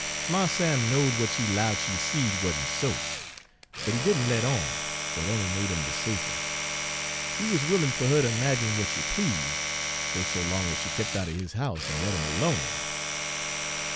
"Mars Sam knowed w'at she 'lowed she seed wa'n't so; but he didn' let on, fer it only made him de safer. He wuz willin' fer her ter 'magine w'at she please', jes' so long ez she kep' out er his house an' let him alone.